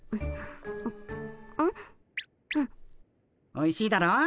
おいしいだろう？